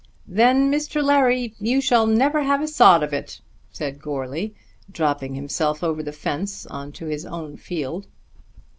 "Then, Mr. Larry, you shall never have a sod of it," said Goarly, dropping himself over the fence on to his own field.